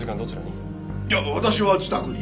いや私は自宅に。